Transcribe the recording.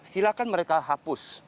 silakan mereka hapus